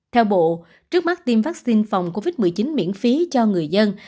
theo bộ trước mắt tiêm vaccine phòng covid một mươi chín miễn phí cho người dân